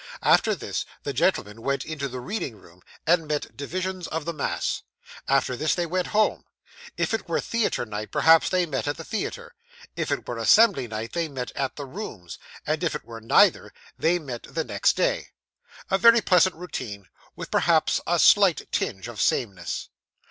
After this, the gentlemen went to the reading rooms, and met divisions of the mass. After this, they went home. If it were theatre night, perhaps they met at the theatre; if it were assembly night, they met at the rooms; and if it were neither, they met the next day. A very pleasant routine, with perhaps a slight tinge of sameness.